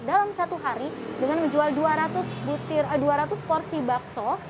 dalam satu hari dengan menjual dua ratus porsi bakso